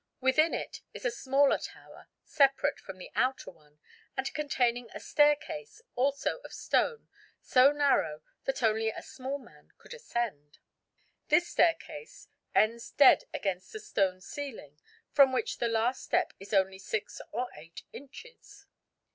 Within it is a smaller tower, separate from the outer one and containing a staircase also of stone so narrow that only a small man could ascend. This staircase ends dead against a stone ceiling, from which the last step is only six or eight inches.